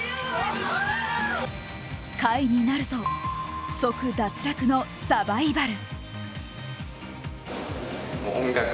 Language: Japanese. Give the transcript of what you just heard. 下位になると、即脱落のサバイバル。